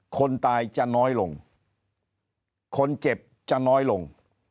คนตายจะน้อยลงคนเจ็บจะน้อยลง